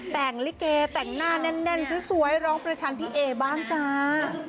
แต่งลิเกแต่งหน้าแน่นสวยร้องประชันพี่เอบ้างจ้า